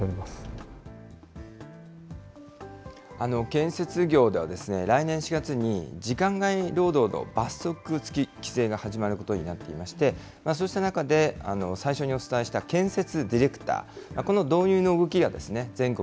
建設業では、来年４月に時間外労働の罰則付き規制が始まることになっていまして、そうした中で最初にお伝えした建設ディレクター、この導入の動きが全国